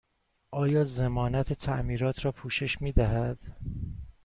آیا ضمانت تعمیرات را پوشش می دهد؟